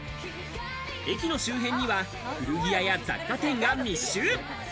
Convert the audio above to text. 駅の周辺には古着屋や雑貨店が密集。